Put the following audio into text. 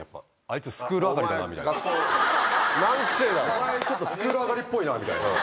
「お前スクール上がりっぽいな」みたいな。